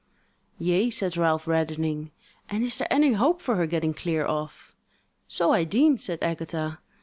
"Yea," said Ralph, reddening, "and is there any hope for her getting clear off?" "So I deem," said Agatha.